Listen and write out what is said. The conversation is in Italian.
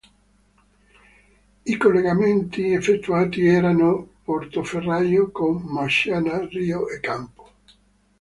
I collegamenti effettuati erano Portoferraio con Marciana, Rio e Campo.